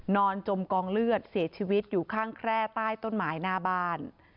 จมกองเลือดเสียชีวิตอยู่ข้างแคร่ใต้ต้นไม้หน้าบ้าน